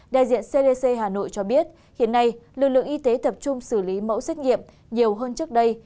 đại diện cdc hà nội cho biết hiện nay lực lượng y tế tập trung xử lý mẫu xét nghiệm nhiều hơn trước đây